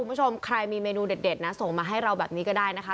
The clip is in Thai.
คุณผู้ชมใครมีเมนูเด็ดนะส่งมาให้เราแบบนี้ก็ได้นะคะ